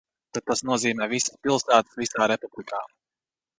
Tad tas nozīmē visas pilsētas visā republikā.